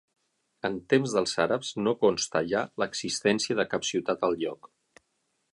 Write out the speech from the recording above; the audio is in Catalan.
En temps dels àrabs no consta ja l'existència de cap ciutat al lloc.